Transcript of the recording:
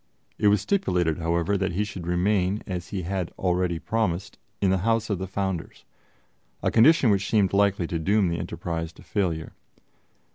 It was stipulated, however, that he should remain, as he had already promised, in the house of the founders, a condition which seemed likely to doom the enterprise to failure.